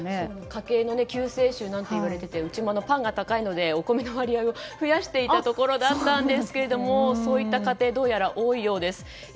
家計の救世主ともいわれていてうちもパンが高いのでお米の割合を増やしていたところだったんですがそういった家庭はどうやら多いようです。